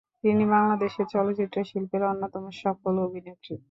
তিনি বাংলাদেশের চলচ্চিত্র শিল্পের অন্যতম সফল অভিনেত্রী।